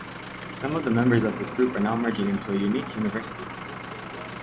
Some of the members of this group are now merging into a unique university.